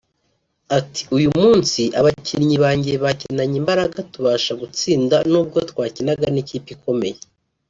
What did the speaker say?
Ati “Uyu munsi abakinnyi banjye bakinanye imbaraga tubasha gutsinda n’ubwo twakinaga n’ikipe ikomeye